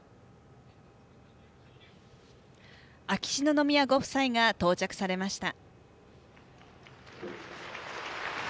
秋篠宮ご夫妻が到着されました。